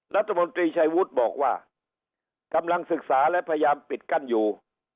รัฐมนตรีชัยวุฒิบอกว่ากำลังศึกษาและพยายามปิดกั้นอยู่